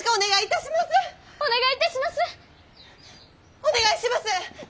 お願いします！